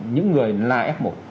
những người là f một